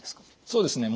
そうですね。